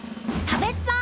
食べっぞ！